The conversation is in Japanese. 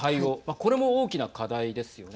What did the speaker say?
これも大きな課題ですよね。